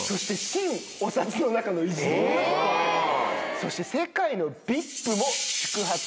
そして「世界のＶＩＰも宿泊！